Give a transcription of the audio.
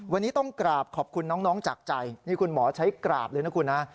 วันนี้ต้องกราบขอบคุณน้องจากใจนี่คุณหมอใช้กราบเลยนะคุณนะ